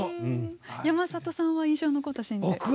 山里さんは印象に残ったシーンは？